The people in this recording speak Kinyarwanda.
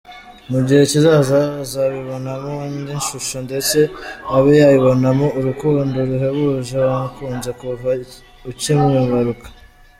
Mu gihe kizaza azabibonamo indi shusho ndetse abe yabibonamo urukundo ruhebuje wamukunze kuva ukimwibaruka.